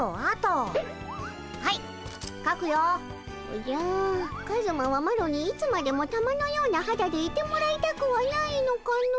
おじゃカズマはマロにいつまでも玉のようなはだでいてもらいたくはないのかの？